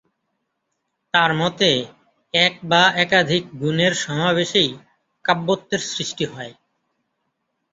তাঁর মতে, এক বা একাধিক গুণের সমাবেশেই কাব্যত্বের সৃষ্টি হয়।